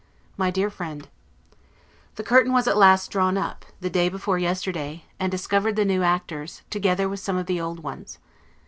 MY DEAR FRIEND: The curtain was at last drawn up, the day before yesterday, and discovered the new actors, together with some of the old ones.